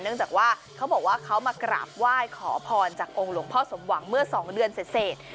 เนื่องจากว่าเขาบอกว่าเขามากราบไหว้ขอพรจากองค์หลวงพ่อสมหวังเมื่อ๒เดือนเสร็จ